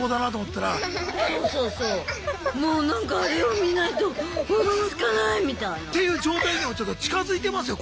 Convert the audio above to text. もうなんかあれを見ないと落ち着かないみたいな。っていう状態にも近づいてますよ